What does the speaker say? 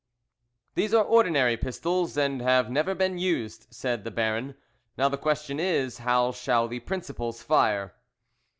"These are ordinary pistols, and have never been used," said the Baron; "now the question is, how shall the principals fire."